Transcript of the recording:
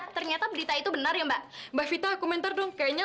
sampai jumpa di video selanjutnya